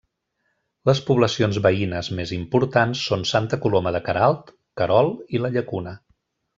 Les poblacions veïnes més importants són Santa Coloma de Queralt, Querol i la Llacuna.